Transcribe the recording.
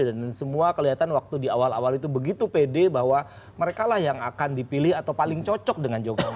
dan semua kelihatan waktu di awal awal itu begitu pede bahwa mereka lah yang akan dipilih atau paling cocok dengan jokowi